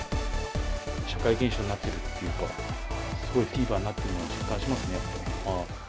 社会現象になっているというか、すごいフィーバーになってるの、実感しますね。